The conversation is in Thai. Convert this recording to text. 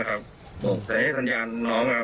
ใส่ให้สัญญานน้องว่า